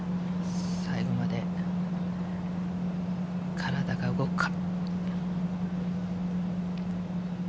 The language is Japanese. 最後まで、体が動くか。